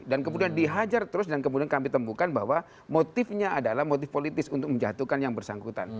dan kemudian dihajar terus dan kemudian kami temukan bahwa motifnya adalah motif politis untuk menjatuhkan yang bersangkutan